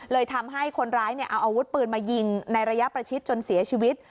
เลยทำให้คนร้ายเอาอาวุธปืนมายิงในระยะประชิดจนเสียชีวิต